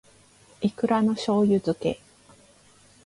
いくらの醬油漬け